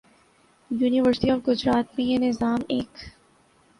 university of Gujrat میں یہ نظام ایک